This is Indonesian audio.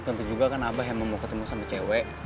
tentu juga kan abah yang mau ketemu sama cewek